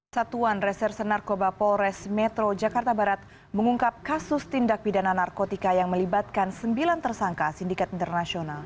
satuan reserse narkoba polres metro jakarta barat mengungkap kasus tindak pidana narkotika yang melibatkan sembilan tersangka sindikat internasional